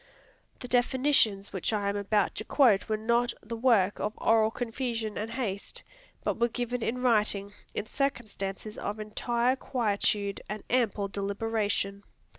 The definitions which I am about to quote were not the work of oral confusion and haste, but were given in writing, in circumstances of entire quietude and ample deliberation.